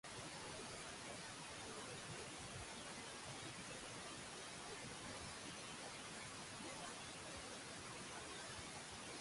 Mar Saba is occasionally referred to as the Convent or Monastery of Santa Sabba.